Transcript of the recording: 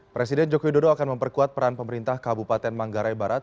presiden joko widodo akan memperkuat peran pemerintah kabupaten manggarai barat